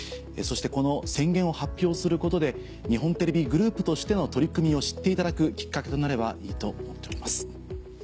そしてこの宣言を発表することで日本テレビグループとしての取り組みを知っていただくきっかけとなればいいと思っております。